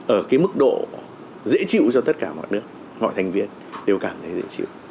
ở cái mức độ dễ chịu cho tất cả mọi nước mọi thành viên đều cảm thấy dễ chịu